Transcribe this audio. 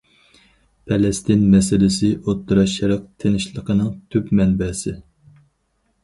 پەلەستىن مەسىلىسى ئوتتۇرا شەرق تىنچلىقىنىڭ تۈپ مەنبەسى.